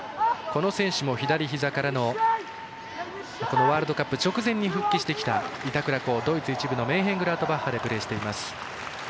この選手も左ひざからのワールドカップ直前に復帰してきた板倉滉、ドイツ１部のメンヘングラートバッハでプレーしています。